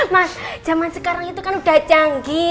mas zaman sekarang itu kan udah canggih